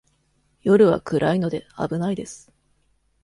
夜は暗いので、危ないです。